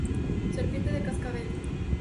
Serpiente de cascabel.